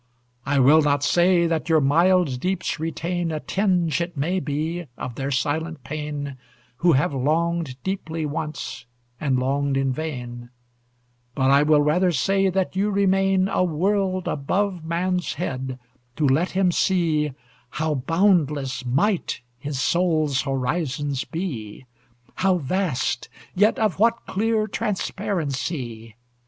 I will not say that your mild deeps retain A tinge, it may be, of their silent pain Who have longed deeply once, and longed in vain But I will rather say that you remain A world above man's head, to let him see How boundless might his soul's horizons be, How vast, yet of what clear transparency!